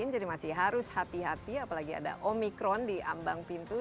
jadi masih harus hati hati apalagi ada omikron di ambang pintu